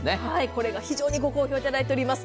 それが非常にご好評いただいております。